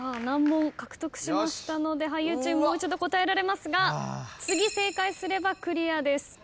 難問獲得しましたので俳優チームもう一度答えられますが次正解すればクリアです。